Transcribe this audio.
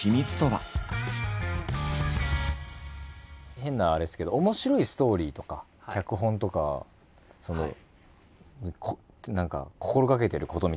変なあれですけど面白いストーリーとか脚本とか何か心がけてることみたいなのあるんですか？